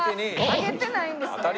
挙げてないんですね。